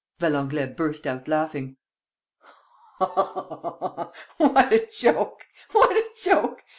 Valenglay burst out laughing. "Oh, what a joke! What a joke!